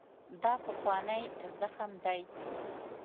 دا پخوانی زخم دی.